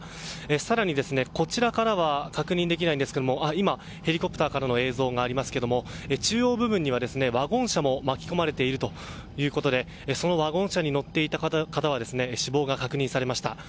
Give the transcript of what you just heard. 更にこちらからは確認できないんですが今、ヘリコプターからの映像がありますけれども中央部分にはワゴン車も巻き込まれているということでそのワゴン車に乗っていた方は死亡が確認されました。